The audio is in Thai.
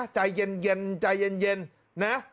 ใจเย็น